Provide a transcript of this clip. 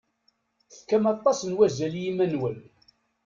Tefkam aṭas n wazal i yiman-nwen.